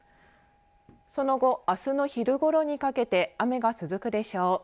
その後、あすの昼ごろにかけて雨が続くでしょう。